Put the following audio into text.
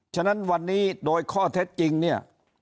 ฉะนั้นวันนี้โดยข้อเท็จจริงเนี่ย